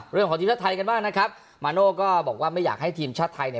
เรื่องของทีมชาติไทยกันบ้างนะครับมาโน่ก็บอกว่าไม่อยากให้ทีมชาติไทยเนี่ย